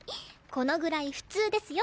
このぐらい普通ですよ。